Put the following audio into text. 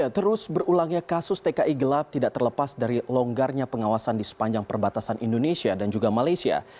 terus berulangnya kasus tki gelap tidak terlepas dari longgarnya pengawasan di sepanjang perbatasan indonesia dan juga malaysia